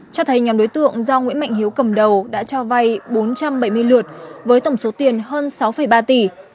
cho thấy nhóm đối tượng do nguyễn mạnh hiếu cầm đầu đã cho vay bốn trăm bảy mươi lượt với tổng số tiền hơn sáu ba tỷ